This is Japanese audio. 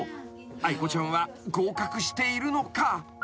［愛子ちゃんは合格しているのか？］